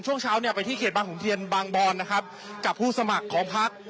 ช่วงเช้าเนี่ยไปที่เขตบางขุนเทียนบางบอนนะครับกับผู้สมัครของพัก